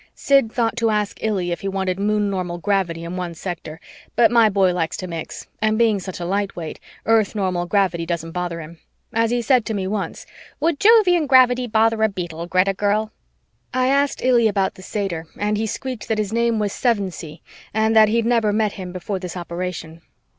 Sid thought to ask Illy if he wanted Moon normal gravity in one sector, but my boy likes to mix, and being such a lightweight, Earth normal gravity doesn't bother him. As he said to me once, "Would Jovian gravity bother a beetle, Greta girl?" I asked Illy about the satyr and he squeaked that his name was Sevensee and that he'd never met him before this operation.